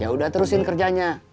ya udah terusin kerjanya